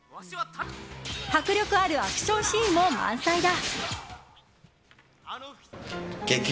迫力あるアクションシーンも満載だ。